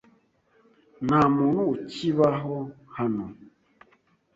Nta muntu ukibaho hano.